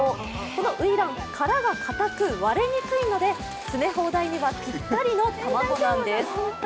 この初卵、殻が硬く割れにくいので詰め放題にはぴったりの卵なんです。